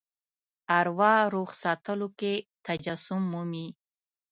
اروا روغ ساتلو کې تجسم مومي.